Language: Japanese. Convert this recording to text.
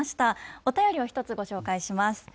お便りを１つご紹介します。